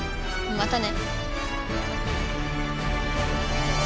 またね！